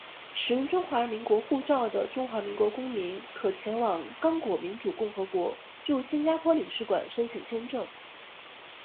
持中华民国护照的中华民国公民可前往刚果民主共和国驻新加坡领事馆申请签证。